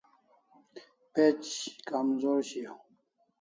Page kazor shiau